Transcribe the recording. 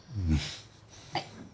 はい。